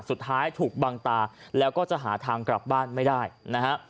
สุดท้ายถูกบังตาแล้วก็จะหาทางกลับบ้านไม่ได้นะฮะ